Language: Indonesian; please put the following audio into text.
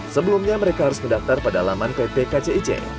sebelumnya mereka harus mendaftar pada alaman ppkcic